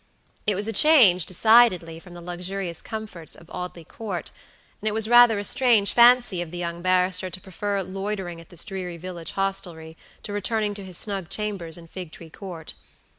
It was a change, decidedly, from the luxurious comforts of Audley Court, and it was rather a strange fancy of the young barrister to prefer loitering at this dreary village hostelry to returning to his snug chambers in Figtree Court.